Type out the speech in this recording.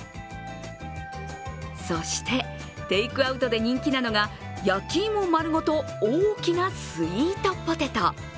そしてテイクアウトで人気なのが焼き芋まるごと大きなスイートポテト。